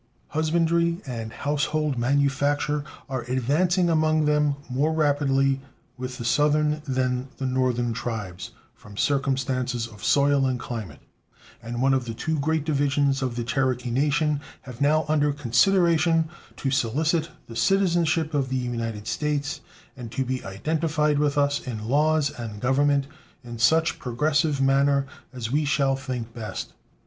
Husbandry and household manufacture are advancing among them more rapidly with the Southern than Northern tribes, from circumstances of soil and climate, and one of the two great divisions of the Cherokee Nation have now under consideration to solicit the citizenship of the United States, and to be identified with us in laws and government in such progressive manner as we shall think best.